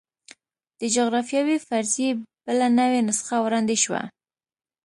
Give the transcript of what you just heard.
د جغرافیوي فرضیې بله نوې نسخه وړاندې شوه.